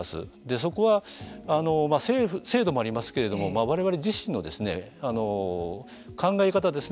そこは制度もありますけれども我々自身の考え方ですね。